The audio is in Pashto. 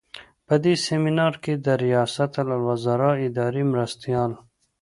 په دې سمینار کې د ریاستالوزراء اداري مرستیال.